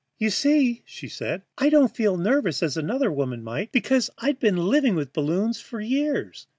"You see," she said, "I didn't feel nervous as another woman might, because I'd been living with balloons for years.